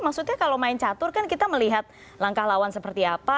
maksudnya kalau main catur kan kita melihat langkah lawan seperti apa